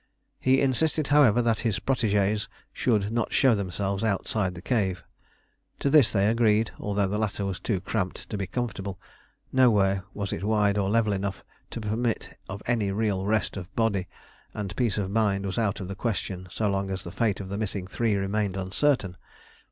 He insisted, however, that his protégés should not show themselves outside the cave. To this they agreed, although the latter was too cramped to be comfortable, nowhere was it wide or level enough to permit of any real rest of body, and peace of mind was out of the question so long as the fate of the missing three remained uncertain.